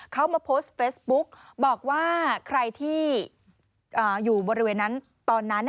เขามาโพสต์เฟซบุ๊กบอกว่าใครที่อยู่บริเวณนั้นตอนนั้น